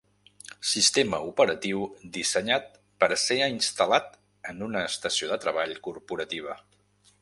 Sistema operatiu dissenyat per a ser instal·lat en una estació de treball corporativa.